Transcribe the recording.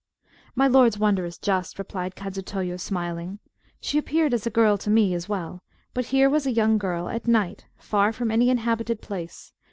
"My lord's wonder is just," replied Kadzutoyo, smiling: "she appeared as a girl to me as well. But here was a young girl, at night, far from any inhabited place.